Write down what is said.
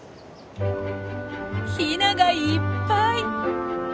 ヒナがいっぱい！